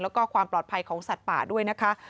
แล้วก็ความปลอดภัยของสัตว์ป่าด้วยนะคะ